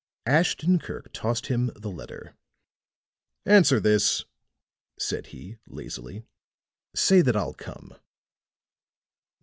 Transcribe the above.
Ashton Kirk tossed him the letter. "Answer this," said he, lazily. "Say that I'll come."